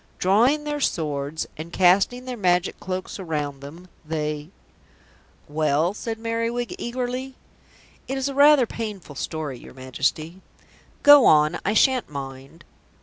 Drawing their swords and casting their Magic Cloaks around them, they " "Well?" said Merriwig eagerly. "It is rather a painful story, your Majesty." "Go on, I shan't mind."